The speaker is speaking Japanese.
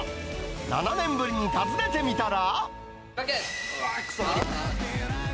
７年ぶりに訪ねてみたら。